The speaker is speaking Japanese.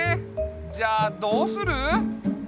じゃあどうする？